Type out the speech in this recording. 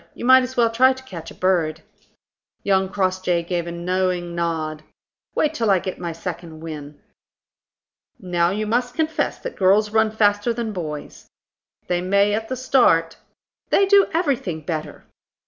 You might as well try to catch a bird." Young Crossjay gave a knowing nod. "Wait till I get my second wind." "Now you must confess that girls run faster than boys." "They may at the start." "They do everything better."